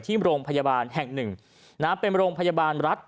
ที่โรงพยาบาลแห่งหนึ่งเป็นโรงพยาบาลรัฐ